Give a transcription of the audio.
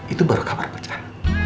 itu baru kabar kecil